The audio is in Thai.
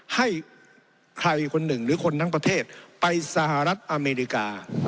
ให้ใครคนหนึ่งหรือคนทั้งประเทศไปสหรัฐอเมริกา